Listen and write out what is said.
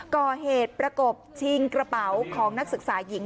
ก่อเหตุประกบชิงกระเป๋าของนักศึกษาหญิง